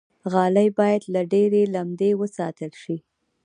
غالۍ باید له ډېرې لمدې وساتل شي.